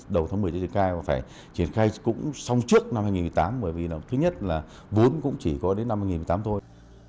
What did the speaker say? đầu tháng một mươi thì triển khai và phải triển khai cũng xong trước năm hai nghìn một mươi tám bởi vì là thứ nhất là vốn cũng chỉ có đến năm hai nghìn một mươi tám thôi